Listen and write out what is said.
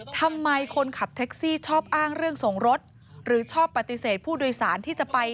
คนขับแท็กซี่ชอบอ้างเรื่องส่งรถหรือชอบปฏิเสธผู้โดยสารที่จะไป